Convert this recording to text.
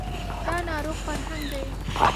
دا ناروغ فرهنګ دی